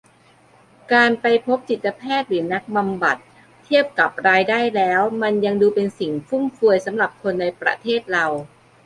การไปพบจิตแพทย์หรือนักบำบัด เทียบกับรายได้แล้วมันยังดูเป็นสิ่งฟุ่มเฟือยสำหรับคนในประเทศเรา